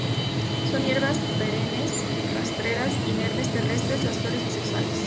Son hierbas perennes rastreras, inermes, terrestres, las flores bisexuales.